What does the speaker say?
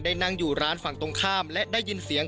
ช่วยเร่งจับตัวคนร้ายให้ได้โดยเร่ง